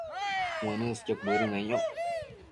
uënësqio cuëdëneyoc